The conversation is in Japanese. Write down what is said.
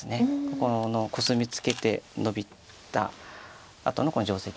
ここのコスミツケてノビたあとの定石。